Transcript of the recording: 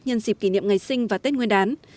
nhân dịp kỷ niệm ngày sinh và tết nguyên đán